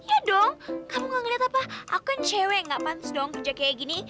iya dong kamu nggak ngeliat apa aku kan cewek nggak panas dong kerja kaya gini